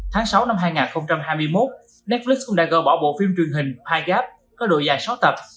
tháng sáu năm hai nghìn hai mươi một netflix cũng đã gỡ bỏ bộ phim truyền hình pygap có đội dài sáu tập